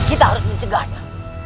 kita harus mencegahnya